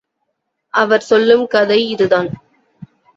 அவர் சொல்லும் கதை இதுதான்.